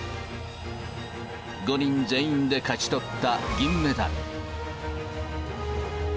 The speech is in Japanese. ５人全員で勝ち取った銀メダル。